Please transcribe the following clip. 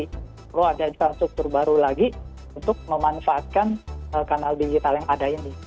perlu ada infrastruktur baru lagi untuk memanfaatkan kanal digital yang ada ini